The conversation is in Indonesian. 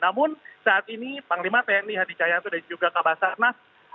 namun saat ini panglima tni hadi cahayatu dan juga kabupaten sarna